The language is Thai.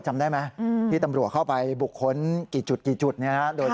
จำได้ไหมที่ตำรวจเข้าไปบุคคลกี่จุดกี่จุดเนี่ยนะ